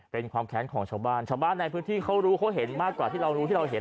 เป็นความแค้นของชาวบ้านชาวบ้านในพื้นที่เขารู้เขาเห็นมากกว่าที่เรารู้ที่เราเห็น